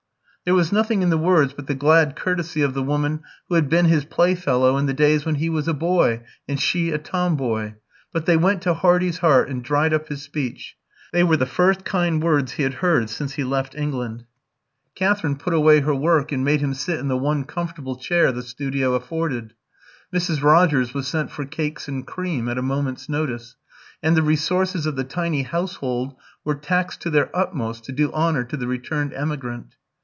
There was nothing in the words but the glad courtesy of the woman who had been his playfellow in the days when he was a boy and she a tomboy, but they went to Hardy's heart and dried up his speech. They were the first kind words he had heard since he left England. Katherine put away her work and made him sit in the one comfortable chair the studio afforded; Mrs. Rogers was sent for cakes and cream at a moment's notice; and the resources of the tiny household were taxed to their utmost to do honour to the returned emigrant.